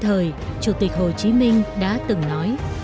trong những thời chủ tịch hồ chí minh đã từng nói